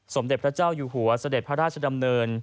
สมเด็จพระเจ้าอยู่หัวเสด็จพระราชดำเนิน